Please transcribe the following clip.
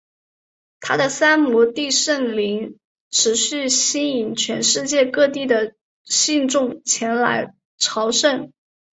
他的三摩地圣陵持续吸引全世界各地的信众前来朝圣。